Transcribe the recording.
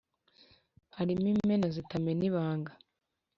harimo imena zitamena ibanga